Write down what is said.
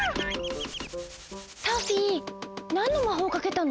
サフィーなんのまほうかけたの？